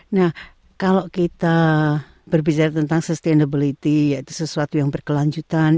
nah kalau kita berbicara tentang sustainability yaitu sesuatu yang berkelanjutan